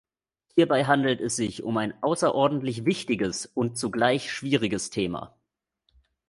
Hierbei handelt es sich um ein außerordentlich wichtiges und zugleich schwieriges Thema.